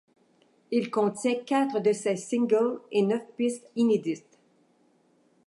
Il contient quatre de ses singles et neuf pistes inédites.